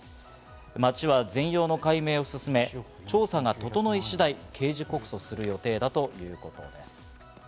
町は全容の解明を進め、調査が整い次第、刑事告訴をする予定だということです。